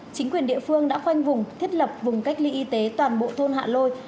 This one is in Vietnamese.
chính quyền địa phương đã khoanh vùng thiết lập vùng cách ly y tế toàn bộ thôn hạ lôi